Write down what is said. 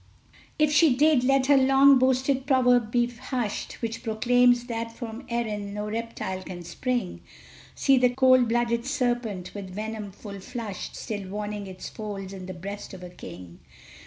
If she did let her long boasted proverb be hushed, Which proclaims that from Erin no reptile can spring: See the cold blooded serpent, with venom full flushed, Still warming its folds in the breast of a King!